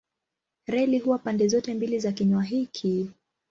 Reli huwa pande zote mbili za kinywa hiki.